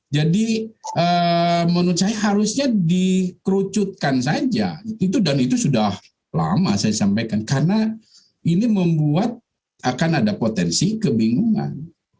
jadi menurut saya harusnya dikerucutkan saja dan itu sudah lama saya sampaikan karena ini membuat akan ada potensi kebingungan